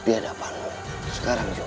di hadapanmu sekarang juga